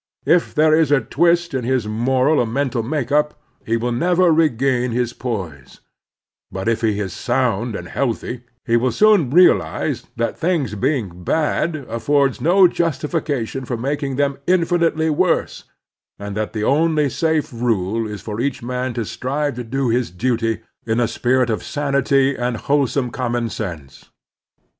If there is a twist in his moral or mental make up, he will never regain his poise ; but if he is soimd and healthy he will soon realize that things being bad affords no justification for making them infinitely worse, and that the only safe rule is for each man to strive to do his duty in a spirit of sanity and wholesome common sense.